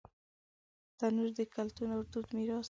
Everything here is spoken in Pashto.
تنور د کلتور او دود میراث دی